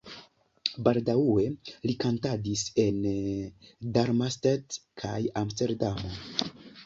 Baldaŭe li kantadis en Darmstadt kaj Amsterdamo.